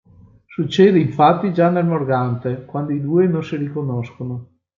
Succede infatti già nel "Morgante", quando i due non si riconoscono.